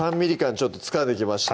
ちょっとつかんできました